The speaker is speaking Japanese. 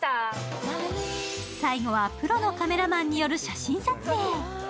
最後はプロのカメラマンによる写真撮影。